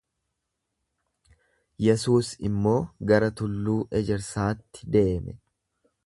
Yesuus immoo gara tulluu Ejersaatti deeme.